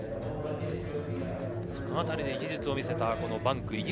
その辺りの技術を見せたバンク。